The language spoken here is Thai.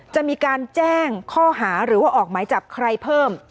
จะมีการแจ้งข้อหาหรือว่าออกหมายจับใครเพิ่ม